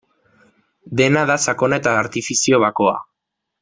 Dena da sakona eta artifizio bakoa.